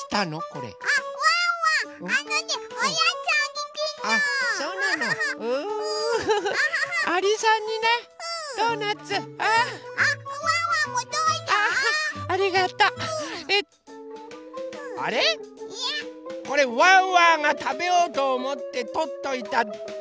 これワンワンがたべようとおもってとっといたおやつでしょ？